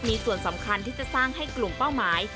มีส่วนสำคัญที่จะสร้างให้กลุ่มเป้าหมาย